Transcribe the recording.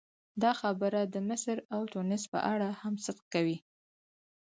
دا خبره د مصر او ټونس په اړه هم صدق کوي.